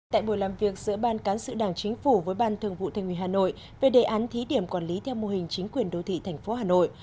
tại buổi làm việc giữa ban cán sự đảng chính phủ với ban thường vụ thành ủy hà nội về đề án thí điểm quản lý theo mô hình chính quyền đô thị thành phố hà nội